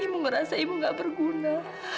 ibu ngerasa ibu gak berguna